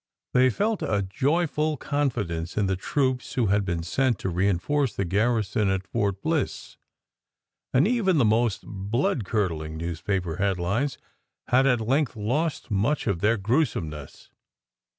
They felt a joyful confidence in the troops who had been sent to reinforce the garrison at Fort Bliss, and even the most bloodcurdling newspaper headlines had at length lost much of their gruesomeness.